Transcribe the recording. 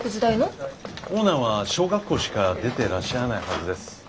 オーナーは小学校しか出てらっしゃらないはずです。